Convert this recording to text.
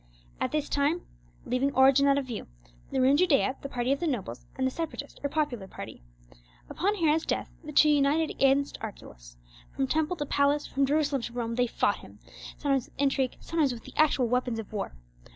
At this time, leaving origin out of view, there were in Judea the party of the nobles and the Separatist or popular party. Upon Herod's death, the two united against Archelaus; from temple to palace, from Jerusalem to Rome, they fought him; sometimes with intrigue, sometimes with the actual weapons of war.